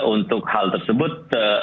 untuk hal tersebut